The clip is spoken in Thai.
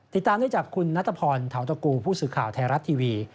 ติดตามได้จากคุณนัทพรเทาตะกูผู้สื่อข่าวไทยรัฐทีวี